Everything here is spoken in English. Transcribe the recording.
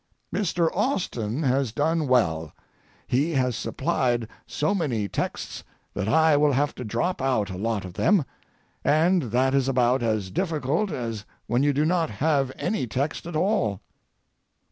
Mr. Austin has done well. He has supplied so many texts that I will have to drop out a lot of them, and that is about as difficult as when you do not have any text at all.